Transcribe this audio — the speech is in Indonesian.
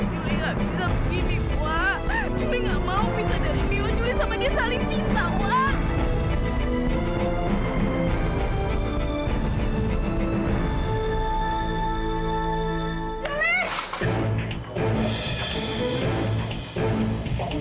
juli gak bisa begini ma juli gak mau bisa dari miwa juli sama dia saling cinta ma